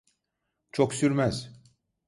Çok sürmez.